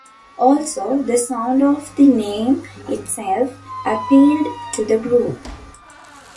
Also, the sound of the name itself appealed to the group.